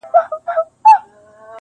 o نوم يې کله کله د خلکو په خوله راځي,